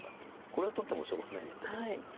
これ取ってもしょうがないので。